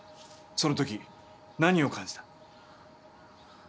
その時何を感じた？